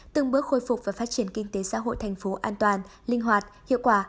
từng bước khôi phục và phát triển kinh tế xã hội thành phố an toàn linh hoạt hiệu quả